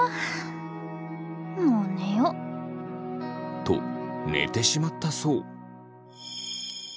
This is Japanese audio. もう寝よ。と寝てしまったそう。